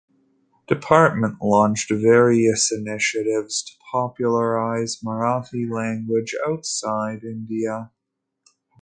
Department launched various initiatives to popularize Marathi language outside India.